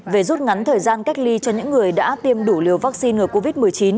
về rút ngắn thời gian cách ly cho những người đã tiêm đủ liều vaccine ngừa covid một mươi chín